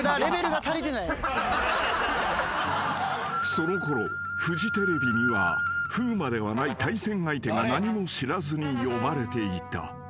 ［そのころフジテレビには風磨ではない対戦相手が何も知らずに呼ばれていた］